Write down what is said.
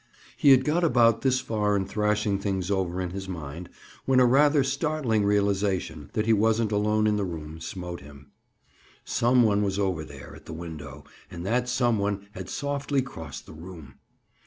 He had got about this far in thrashing things over in his mind when a rather startling realization that he wasn't alone in the room smote him. Some one was over there—at the window, and that some one had softly crossed the room.